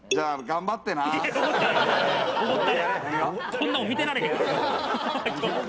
こんなの見てられへん。